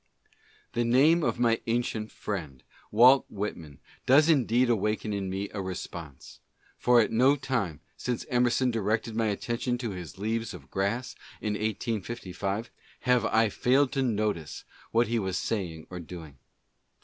The name of my ancient friend, Walt Whitman, does indeed awaken in me a response ; for at no time, since Emerson directed my attention to his " Leaves of Grass " in 1855, have I failed to notice what he was saying or doing.